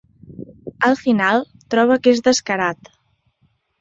Al final, troba que és descarat.